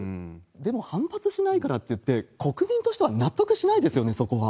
でも反発しないからっていって、国民としては納得しないですよね、そこは。